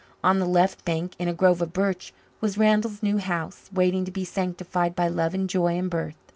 On the left bank, in a grove of birch, was Randall's new house, waiting to be sanctified by love and joy and birth.